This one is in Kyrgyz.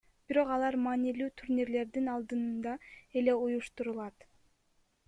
Бирок алар маанилүү турнирлердин алдында эле уюштурулат.